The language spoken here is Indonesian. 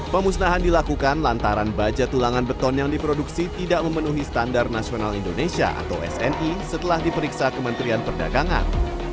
pemusnahan dilakukan lantaran baja tulangan beton yang diproduksi tidak memenuhi standar nasional indonesia atau sni setelah diperiksa kementerian perdagangan